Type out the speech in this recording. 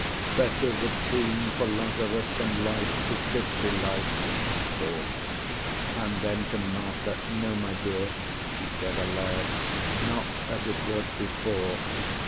"Better the tomb For Lazarus than life, if this be life," She thought; and then to Martha, "No, my dear," She said aloud; "not as it was before.